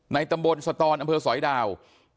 ตำบลสตอนอำเภอสอยดาว